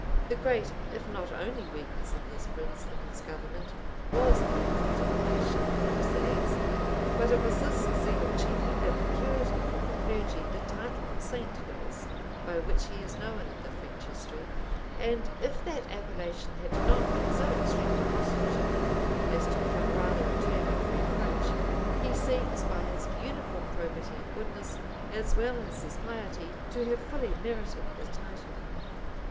The great, if not only weakness of this prince, in his government, was the imprudent passion for crusades; but it was this zeal chiefly that procured him from the clergy the title of St. Lewis, by which he is known in the French history and if that appellation had not been so extremely prostituted as to become rather a term of reproach, he seems, by his uniform probity and goodness, as well as his piety, to have fully merited the title.